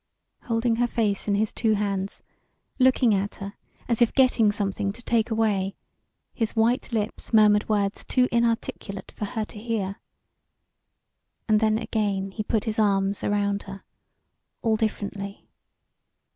Holding her face in his two hands, looking at her as if getting something to take away, his white lips murmured words too inarticulate for her to hear. And then again he put his arms around her all differently.